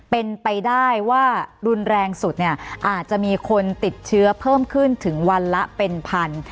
เป็นไปได้ว่ารุนแรงสุดเนี่ยอาจจะมีคนติดเชื้อเพิ่มขึ้นถึงวันละเป็นพัน